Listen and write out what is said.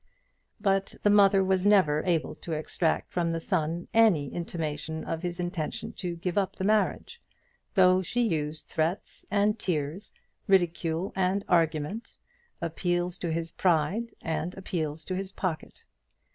But the mother was never able to extract from the son any intimation of his intention to give up the marriage, though she used threats and tears, ridicule and argument, appeals to his pride and appeals to his pocket.